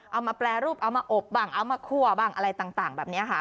เอามาแปรรูปเอามาอบบ้างเอามาคั่วบ้างอะไรต่างแบบนี้ค่ะ